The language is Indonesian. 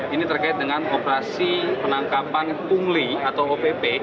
ini terkait dengan operasi penangkapan pungli atau opp